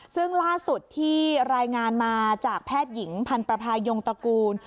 ซึ่งล่าสุดที่รายงานมาจากแพทย์หญิงพันธภายงตระกูล